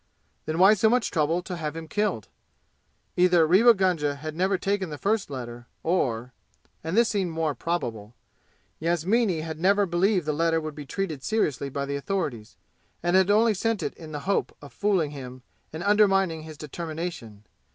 Then why so much trouble to have him killed? Either Rewa Gunga had never taken the first letter, or and this seemed more probable Yashiini had never believed the letter would be treated seriously by the authorities, and had only sent it in the hope of fooling him and undermining his determination.